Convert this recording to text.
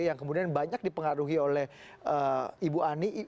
yang kemudian banyak dipengaruhi oleh ibu ani